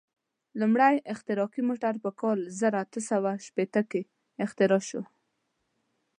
لومړنی احتراقي موټر په کال زر اته سوه شپېته کې اختراع شو.